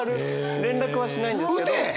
連絡はしないんですけど。